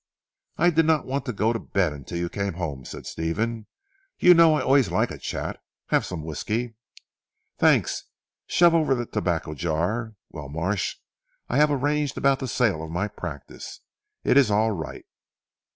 "I did not want to go to bed until you came home," said Stephen, "you know I always like a chat. Have some whisky?" "Thanks. Shove over the tobacco jar. Well Marsh, I have arranged about the sale of my practice. It's all right."